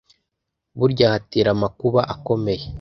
burya hatera amakuba akomeye